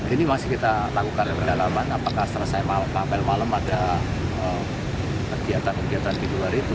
ini masih kita lakukan dalam apel malam ada kegiatan kegiatan di luar itu